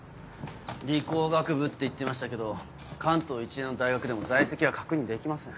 理工学部って言ってましたけど関東一円の大学でも在籍は確認できません。